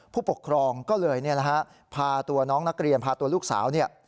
ผู้ปกครองก็เลยพาตัวน้องนักเรียนพาตัวลูกสาวเนี่ย